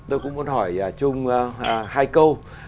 tôi cũng muốn hỏi trung hai câu